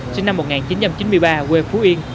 sinh năm một nghìn chín trăm chín mươi ba quê phú yên